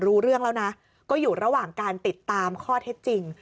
รู้เรื่องแล้วนะก็อยู่ระหว่างการติดตามข้อเท็จจริง